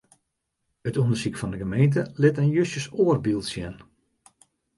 It ûndersyk fan 'e gemeente lit in justjes oar byld sjen.